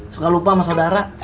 suka lupa sama sodara